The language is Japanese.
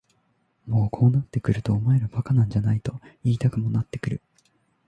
もうこうなってくるとお前ら馬鹿なんじゃないと言いたくもなってくる。